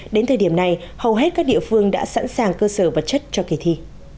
đến thời điểm này hầu hết các địa phương đã sẵn sàng cơ sở vật chất cho kỳ thi